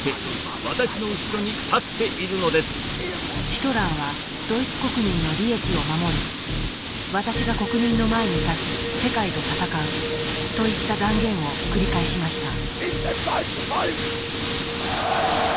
ヒトラーは「ドイツ国民の利益を守る」「私が国民の前に立ち世界と戦う」といった断言を繰り返しました。